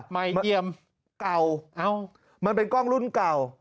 ใหม่เยี่ยมเก่ามันเป็นกล้องรุ่นเก่า